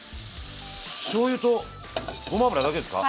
しょうゆとごま油だけですか？